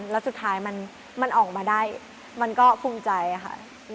แล้วสุดท้ายมันออกมาได้มันก็ภูมิใจค่ะ